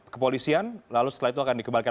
kepolisian lalu setelah itu akan dikembalikan